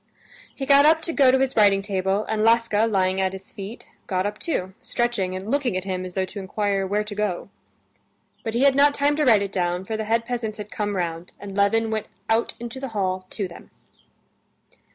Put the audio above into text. He got up to go to his writing table, and Laska, lying at his feet, got up too, stretching and looking at him as though to inquire where to go. But he had not time to write it down, for the head peasants had come round, and Levin went out into the hall to them.